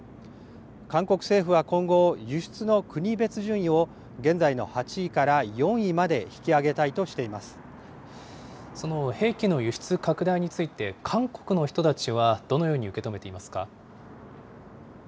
韓国政府は今後、輸出の国別順位を現在の８位から４位まで引き上げたいとしていまその兵器の輸出拡大について、韓国の人たちはどのように受け止めていますか。